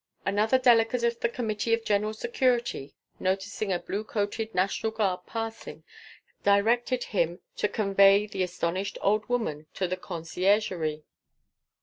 Another Delegate of the Committee of General Security, noticing a blue coated National Guard passing, directed him to convey the astonished old woman to the Conciergerie.